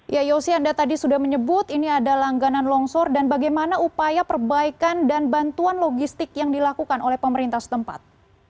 ya yosi anda tadi sudah menyebut ini ada langganan longsor dan bagaimana upaya perbaikan dan bantuan logistik yang dilakukan oleh pemerintah setempat